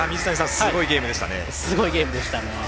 すごいゲームでしたね。